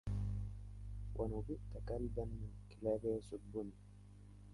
ونبئت كلبا من كلاب يسبني